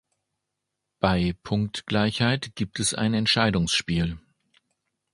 Bei Punktgleichheit gibt es ein Entscheidungsspiel.